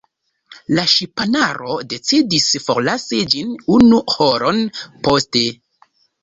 La ŝipanaro decidis forlasi ĝin unu horon poste.